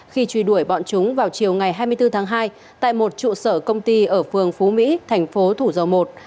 khi truy đuổi bọn chúng vào chiều ngày hai mươi bốn tháng hai tại một trụ sở công ty ở phường phú mỹ thành phố thủ dầu một